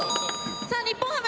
さあ日本ハム。